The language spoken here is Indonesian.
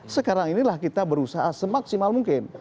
sekarang inilah kita berusaha semaksimal mungkin